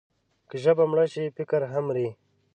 که ژبه مړه شي، فکر هم مري.